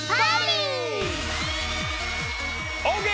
オーケー！